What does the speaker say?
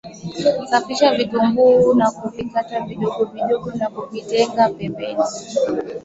Safisha vitunguu na kuvikata vidogo vidogo na kuvitenga pembeni